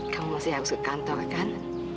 kamu masih harus ke kantor kan